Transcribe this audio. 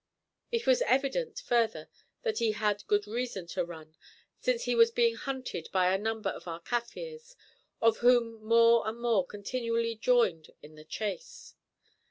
It was evident, further, that he had good reason to run, since he was being hunted by a number of our Kaffirs, of whom more and more continually joined in the chase.